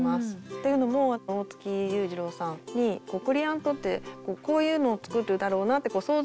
というのも大月雄二郎さんにクリヤーントってこういうのを作るだろうなって想像するじゃないですか。